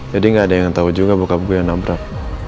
jadi gak ada yang tahu juga bokap gue yang nabrak